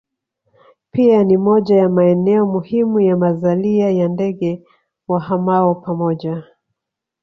Pia ni moja ya maeneo muhimu ya mazalia ya ndege wahamao pamoja